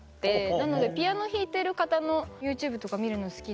なのでピアノ弾いてる方のＹｏｕＴｕｂｅとか見るの好きで。